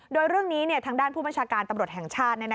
โดยเรื่องนี้ทางด้านผู้บัญชาการตำรวจแห่งชาติ